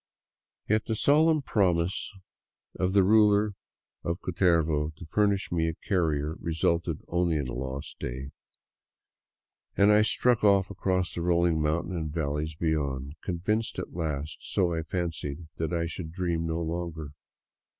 Yet the solemn promise of the 257 VAGABONDING DOWN THE ANDES ruler of Cutervo to furnish me a carrier resulted only in a lost day, and I struck off across the rolling mountains and valleys beyond, con vinced at last, so I fancied, that I should dream no longer.